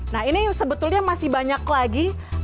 nah ini sebetulnya masih banyak lagi